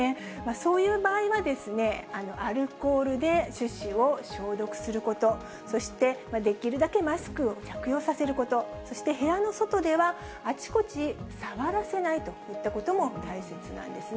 そういう場合は、アルコールで手指を消毒すること、そして、できるだけマスクを着用させること、そして部屋の外ではあちこち触らせないといったことも大切なんですね。